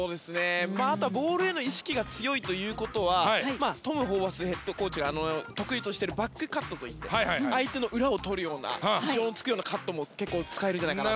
あとはボールへの意識が強いということはトム・ホーバスヘッドコーチが得意としているバックカットといって相手の裏を取るような意表を突くようなカットも使えるんじゃないかなと。